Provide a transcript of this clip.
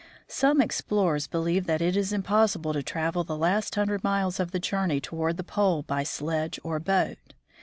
Some explorers believe that it is impossible to travel the last hundred miles of the journey toward the pole by sledge or boat.